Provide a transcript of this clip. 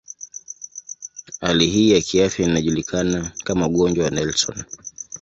Hali hii ya kiafya inajulikana kama ugonjwa wa Nelson.